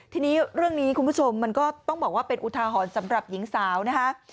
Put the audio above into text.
ทีนี้เรื่องนี้คุณผู้ชมมันก็ต้องบอกว่าเป็นอุทาหรณ์สำหรับหญิงสาวนะคะ